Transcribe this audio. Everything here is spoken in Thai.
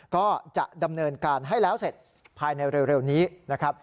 ก็จะดำเนินการให้แล้วเสร็จภายในเร็วนี้นะครับ